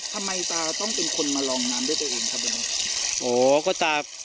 ทำไมตาต้องเป็นคนมาลองน้ำด้วยตัวเองครับเนี้ยโอ้ก็ตา